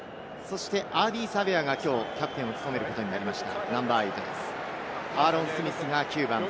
アーディー・サヴェアがキャプテンを務めることになりました。